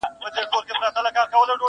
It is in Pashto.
بېله ځنډه به دې یوسي تر خپل کلي؛